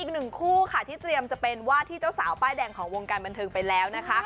อีกหนึ่งคู่ค่ะที่เตรียมจะเป็นว่าที่เจ้าสาวป้ายแดงของวงการบันเทิงไปแล้วนะคะ